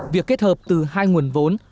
việc kết hợp từ hai nguồn vốn